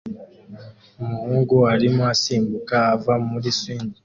Umuhungu arimo asimbuka ava muri swing